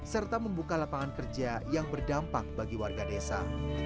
serta membuka lapangan kerja yang berdampak bagi warga desa